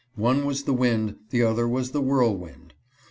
One was the wind, the other was the whirlwind.